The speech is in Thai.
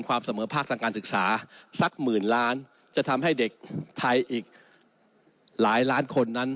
เสมอภาคทางการศึกษาสักหมื่นล้านจะทำให้เด็กไทยอีกหลายล้านคนนั้น